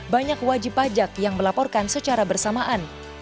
banyak wajib pajak yang melaporkan secara bersamaan